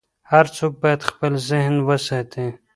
هر څوک باید خپل ذهن وساتي.